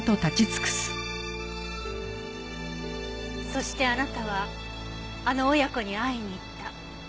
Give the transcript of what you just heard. そしてあなたはあの親子に会いに行った。